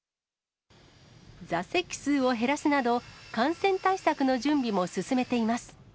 座席数を減らすなど、感染対策の準備も進めています。